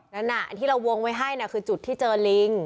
อันนั้นที่เราวงไว้ให้คือจุดที่เจอลิง